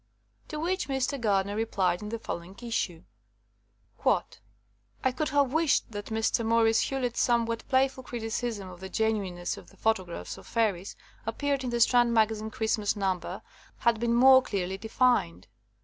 To which Mr. Gardner replied in the fol lowing issue : *'I could have wished that Mr. Maurice Hewlett 's somewhat playful criticism of the genuineness of the photographs of fairies appearing in the Strand Magazine Christ mas number had been more clearly defined.